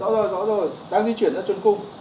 rõ rồi rõ rồi đang di chuyển ra trần cung